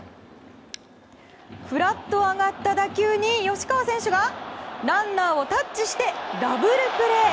ふらっと上がった打球に吉川選手がランナーをタッチしてダブルプレー。